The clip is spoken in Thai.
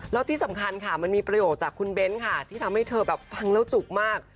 แล้วที่สำคัญค่ะมันมีประโยคจากคุณเบ้นค่ะที่ทำให้เธอแบบฟังแล้วจุกมาก